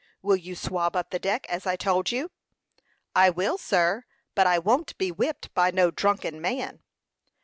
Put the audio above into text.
"Will you swab up the deck, as I told you?" "I will, sir; but I won't be whipped by no drunken man.